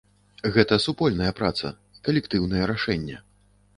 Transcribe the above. Гэта супольная праца, калектыўнае рашэнне.